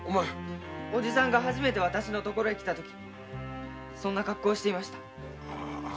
おじさんが初めて私の所へ来た時そんな格好をしていました。